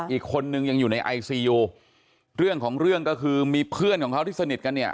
อีกคนนึงยังอยู่ในไอซียูเรื่องของเรื่องก็คือมีเพื่อนของเขาที่สนิทกันเนี่ย